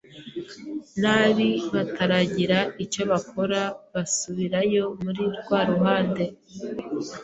nabi bataragira icyobakora basubirayo muri rwaruhande